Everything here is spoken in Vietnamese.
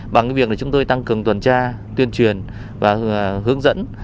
bằng việc chúng tôi tăng cường tuần tra tuyên truyền và hướng dẫn